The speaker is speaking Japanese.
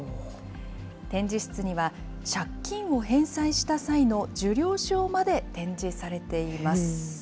展示室には、借金を返済した際の受領証まで展示されています。